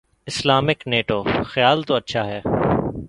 Islamic NATO: خیال تو اچھا ہے۔